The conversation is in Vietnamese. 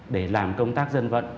để làm công tác dân vận